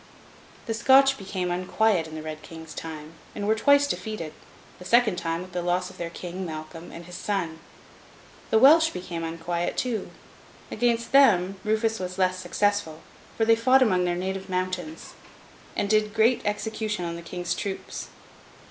The Scotch became unquiet in the Red King's time, and were twice defeated—the second time, with the loss of their King, Malcolm, and his son. The Welsh became unquiet too. Against them, Rufus was less successful; for they fought among their native mountains, and did great execution on the King's troops.